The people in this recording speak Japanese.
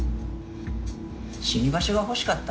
「死に場所が欲しかった」？